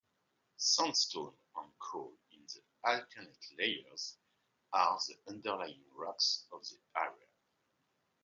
Sandstone and coal in alternate layers are the underlying rocks of the area.